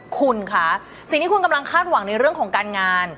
คุณคะสิ่งที่คุณกำลังคาดหวังในเรื่องของการงาน